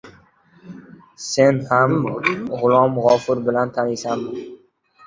Sen ham shoh she’ringni yoz bayramga, G‘afur G‘ulom